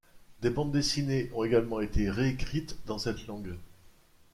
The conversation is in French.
Des bandes dessinées ont également été réécrites dans cette langue.